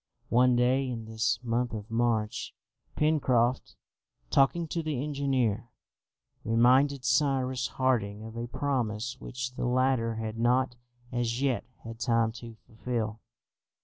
One day in this month of March, Pencroft, talking to the engineer, reminded Cyrus Harding of a promise which the latter had not as yet had time to fulfil.